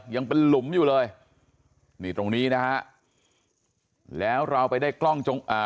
ยังเป็นหลุมอยู่เลยนี่ตรงนี้นะฮะแล้วเราไปได้กล้องจงอ่า